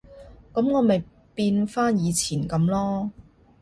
噉我咪變返以前噉囉